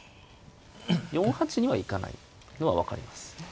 ４八には行かないのは分かります。